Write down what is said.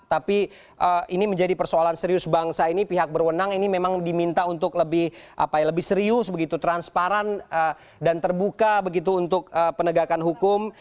tapi ini menjadi persoalan serius bangsa ini pihak berwenang ini memang diminta untuk lebih serius begitu transparan dan terbuka begitu untuk penegakan hukum